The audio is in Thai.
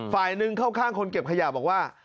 ฝ่ายหนึ่งเข้าข้างคนเก็บขยะบอกว่า